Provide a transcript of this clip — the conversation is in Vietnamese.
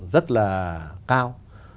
rất là cao